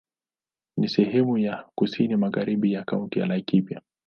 Ni sehemu ya kusini magharibi ya Kaunti ya Laikipia.